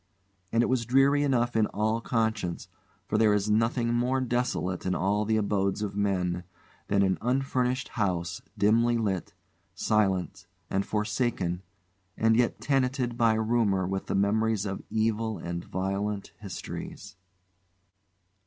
And it was dreary enough in all conscience, for there is nothing more desolate in all the abodes of men than an unfurnished house dimly lit, silent, and forsaken, and yet tenanted by rumour with the memories of evil and violent histories.